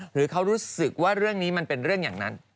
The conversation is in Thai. หรือเขารู้สึกว่าเรื่องนี้มันเป็นเรื่องอย่างนั้น